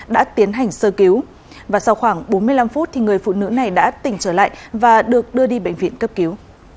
đã tiến hành sơ cứu và sau khoảng bốn mươi năm phút người phụ nữ này đã tỉnh trở lại và được đưa đi bệnh viện cấp cứu